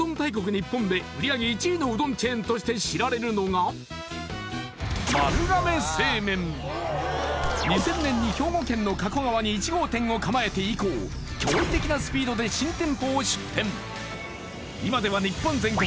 日本で売り上げ１位のうどんチェーンとして知られるのが２０００年に兵庫県の加古川に一号店を構えて以降驚異的なスピードで今では日本全国